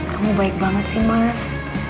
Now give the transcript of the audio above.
kamu baik banget sih mas